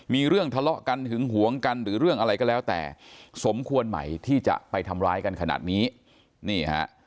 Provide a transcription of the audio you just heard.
มีเรื่องทะเลาะกันหึงหวงกันหรือเรื่องอะไรก็แล้วแต่สมควรใหม่ที่จะไปทำร้ายกันขนาดนี้นี่ฮะ